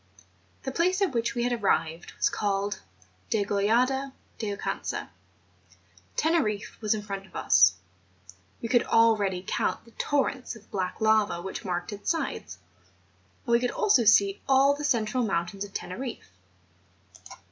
The place at which we had arrived was called Degollada de Oucanca, Teneriffe was in front of us; we could already count the torrents of black lava which marked its sides; and we could also see all the central mountains of Teneriffe.